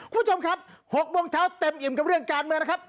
คุณผู้ชมครับ๖โมงเช้าเต็มอิ่มกับเรื่องการเมืองนะครับ